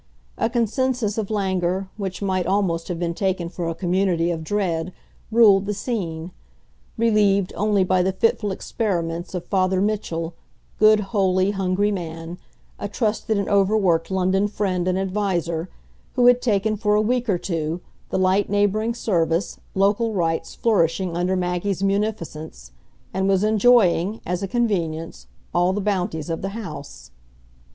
A consensus of languor, which might almost have been taken for a community of dread, ruled the scene relieved only by the fitful experiments of Father Mitchell, good holy, hungry man, a trusted and overworked London friend and adviser, who had taken, for a week or two, the light neighbouring service, local rites flourishing under Maggie's munificence, and was enjoying, as a convenience, all the bounties of the house.